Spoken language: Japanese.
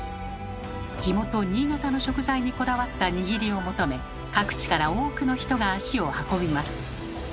地元新潟の食材にこだわった握りを求め各地から多くの人が足を運びます。